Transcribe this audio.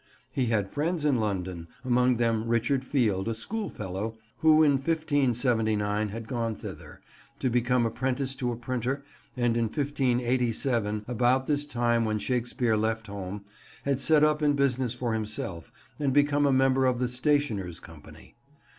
He had friends in London, among them Richard Field, a schoolfellow, who in 1579 had gone thither, to become apprentice to a printer, and in 1587, about this time when Shakespeare left home, had set up in business for himself and become a member of the Stationers' Company.